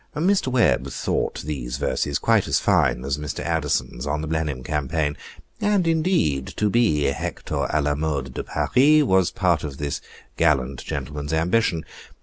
Mr. Webb thought these verses quite as fine as Mr. Addison's on the Blenheim Campaign, and, indeed, to be Hector a la mode de Paris, was part of this gallant gentleman's ambition.